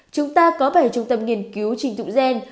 chúng ta có bảy trung tâm nghiên cứu trình thụng gen